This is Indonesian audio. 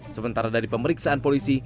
sementara dari pemeriksaan polisi